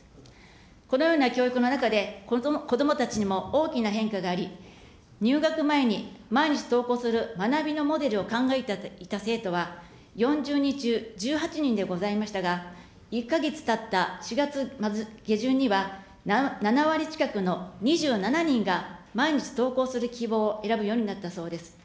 このような教育の中で、こどもたちにも大きな変化があり、入学前に毎日登校する学びのモデルを考えていた生徒は、４０人中１８人でございましたが、１か月たった４月下旬には、７割近くの２７人が、毎日登校する希望を選ぶようになったそうです。